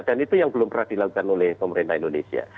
dan itu yang belum pernah dilakukan oleh pemerintah indonesia